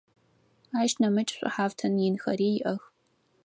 Ащ нэмыкӏ шӏухьафтын инхэри иӏэх.